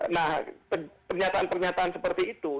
nah pernyataan pernyataan seperti itu